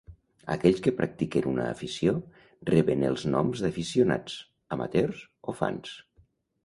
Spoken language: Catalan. Aquells que practiquen una afició reben els noms d'aficionats, amateurs o fans.